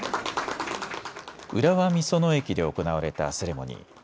浦和美園駅で行われたセレモニー。